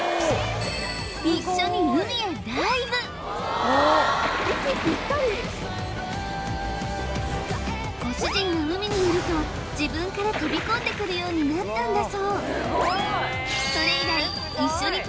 一緒に海へダイブご主人が海にいると自分から飛び込んでくるようになったんだ